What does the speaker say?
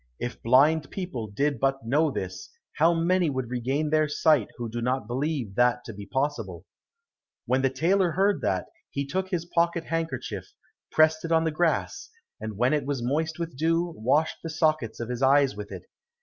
If blind people did but know this, how many would regain their sight who do not believe that to be possible." When the tailor heard that, he took his pocket handkerchief, pressed it on the grass, and when it was moist with dew, washed the sockets of his eyes with it.